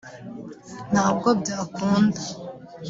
ntabwo byakunda